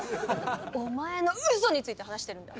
お前のうそについて話してるんだ！